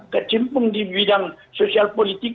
kecimpung di bidang sosial politik